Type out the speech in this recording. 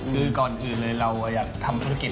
คือก่อนอื่นเลยเราอยากทำธุรกิจ